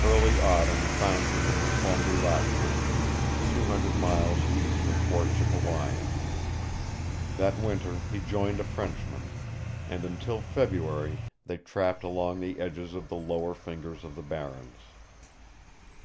Early Autumn found him in the Fond du Lac country, two hundred miles east of Fort Chippewyan. That Winter he joined a Frenchman, and until February they trapped along the edges of the lower fingers of the Barrens.